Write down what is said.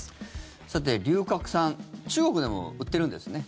さて、龍角散中国でも売ってるんですね。